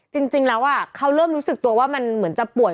จริงแล้วเขาเริ่มรู้สึกตัวว่ามันเหมือนจะป่วย